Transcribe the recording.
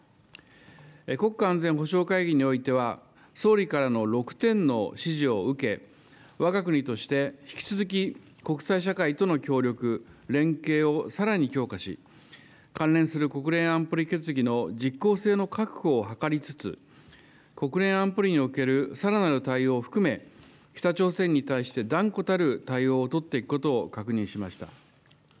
国家安全保障会議においては、総理からの６点の指示を受け、わが国として引き続き国際社会との協力、連携をさらに強化し、関連する国連安保理決議の実効性の確保を図りつつ、国連安保理におけるさらなる対応を含め、北朝鮮に対して断固たる対応を取っていくことを確認しました。